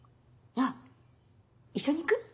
あっ一緒に行く？